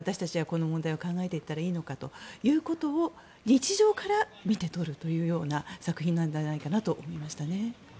じゃあ、どういうふうに私たちはこの問題を考えていったらいいのかということを日常から見て取るというような作品なんじゃないかなと思いましたね。